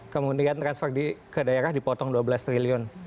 kemudian transfer ke daerah dipotong dua belas triliun